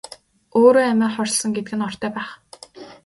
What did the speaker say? Өөрөө амиа хорлосон гэдэг нь ортой байх.